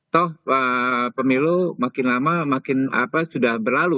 toh pemilu makin lama makin sudah berlalu